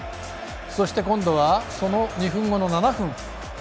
そして今後はその２分後の７分。